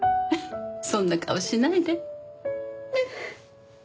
そんな顔しないで。